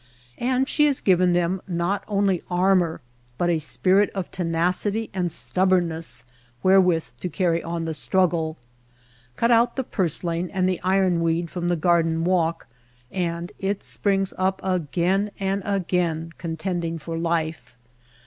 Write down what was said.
And she has given them not only armor but a spirit of tenacity and stubbornness wherewith to carry on the struggle. Cut out the purslain and the iron weed from the garden walk, and it springs up again and again, con tending for life.